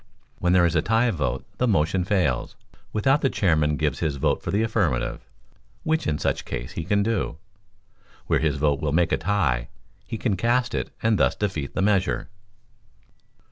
When there is a tie vote the motion fails, without the Chairman gives his vote for the affirmative, which in such case he can do. Where his vote will make a tie, he can cast it and thus defeat the measure.